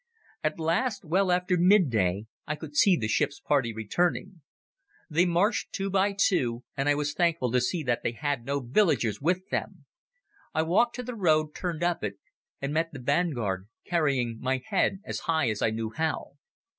At last, well after midday, I could see the ship's party returning. They marched two by two and I was thankful to see that they had no villagers with them. I walked to the road, turned up it, and met the vanguard, carrying my head as high as I knew how.